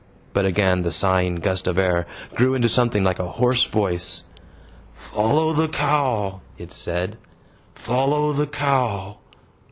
But again the sighing gust of air grew into something like a hoarse voice. "Follow the cow!" it said. "Follow the cow!